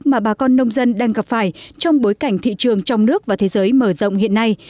mà bà con nông dân đang gặp phải trong bối cảnh thị trường trong nước và thế giới mở rộng hiện nay